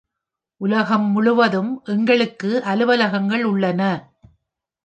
உலகம் முழுவதும் எங்களுக்கு அலுவலகங்கள் உள்ளன.